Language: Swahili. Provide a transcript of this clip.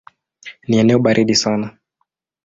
Ni eneo baridi sana.